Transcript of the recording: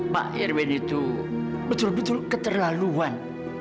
pak irwin itu betul betul keterlaluan